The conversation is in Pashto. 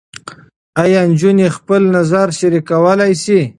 ایا نجونې خپل نظر شریکولی شي؟